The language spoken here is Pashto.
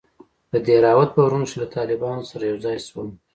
د دهراوت په غرونو کښې له طالبانو سره يوځاى سوم.